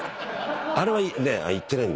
あれはね言ってないんで。